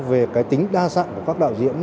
về cái tính đa dạng của các đạo diễn